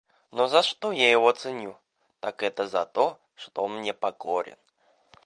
Но за что я его ценю, так это за то, что он мне покорен.